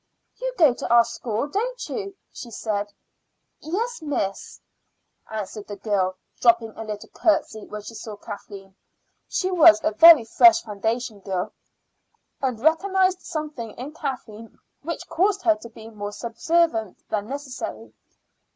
"You go to our school, don't you?" she said. "Yes, miss," answered the girl, dropping a little curtsy when she saw Kathleen. She was a very fresh foundation girl, and recognized something in Kathleen which caused her to be more subservient than was necessary.